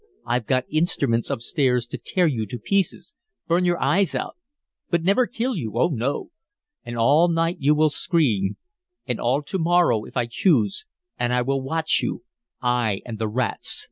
I've got instruments up stairs to tear you to pieces, burn your eyes out but never kill you, oh, no! And all night you will scream, and all to morrow, if I choose. And I will watch you I and the rats.